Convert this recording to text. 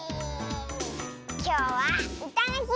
きょうはうたのひ。